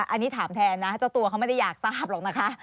อันนี้ถามแทนนะเจ้าตัวเขาไม่ได้อยากทราบหรอกนะคะ